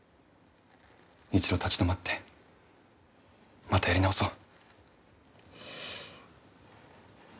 一度立ち止まってまたやり直そう。